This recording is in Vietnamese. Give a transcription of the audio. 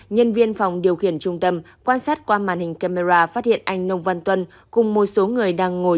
nhân viên phòng điều khiển trung tâm quan sát qua màn hình camera phát hiện anh nông văn tuân cùng một số người đang ngồi